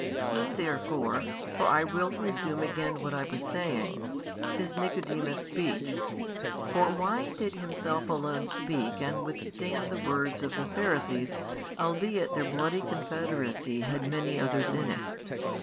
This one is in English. Keen therefore (for I will resume again what I was saying) is Nicodemus' speech: for why did himself alone speak and withstand the words of the Pharisees, albeit their bloody confederacy had many others in it?